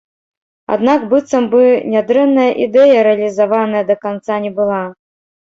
Аднак быццам бы нядрэнная ідэя рэалізаваная да канца не была.